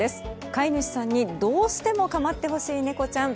飼い主さんにどうしても構ってほしい猫ちゃん。